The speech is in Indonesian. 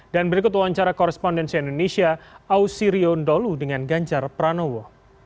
dan berikut wawancara korespondensi indonesia ausirio ndolu dengan ganjar pranowo